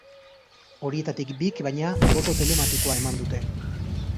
Horietatik bik, baina, boto telematikoa eman dute.